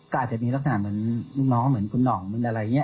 ก็อาจจะมีลักษณะเหมือนลูกน้องเหมือนคุณหน่องเหมือนอะไรอย่างนี้